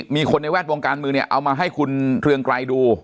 มีคนในแวดวงการเมืองเนี่ยเอามาให้คุณเรืองไกรดู